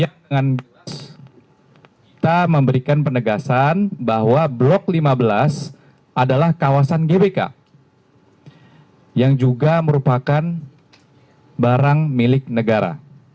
yang jelas kita memberikan penegasan bahwa blok lima belas adalah kawasan gbk yang juga merupakan barang milik negara